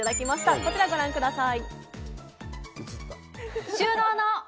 こちらご覧ください。